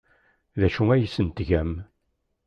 D acu ay asent-tgam?